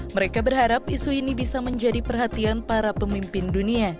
mereka berharap isu ini bisa menjadi perhatian para pemimpin dunia